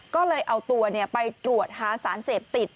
ก็เลยเอาตัวไปตรวจหาสารเสพติด